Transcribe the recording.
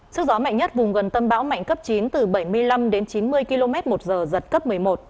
sức gió mạnh nhất vùng gần tâm bão mạnh cấp chín từ bảy mươi năm đến chín mươi km một giờ giật cấp một mươi một